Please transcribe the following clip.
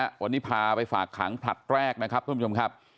วันนี้พาไปฝากขังผลัดแรกนะครับท่านผู้ชมครับ